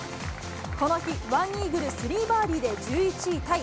この日、１イーグル、３バーディーで１１位タイ。